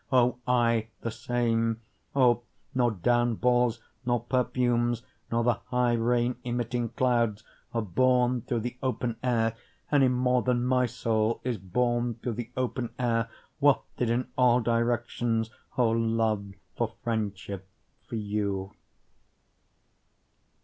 O I the same, O nor down balls nor perfumes, nor the high rain emitting clouds, are borne through the open air, Any more than my soul is borne through the open air, Wafted in all directions O love, for friendship, for you.